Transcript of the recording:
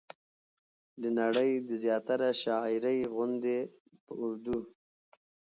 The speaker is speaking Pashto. د نړۍ د زياتره شاعرۍ غوندې په اردو